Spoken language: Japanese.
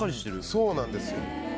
そうなんですよ。